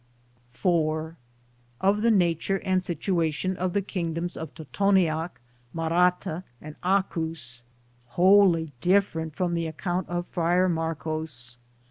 IV Of the nature arid situation of the kingdoms of Totonteac, Marata, and Acus, wholly different from the account of Friar Marcos.